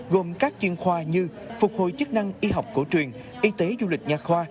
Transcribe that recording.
gồm các chuyên khoa như phục hồi chức năng y học cổ truyền y tế du lịch nhà khoa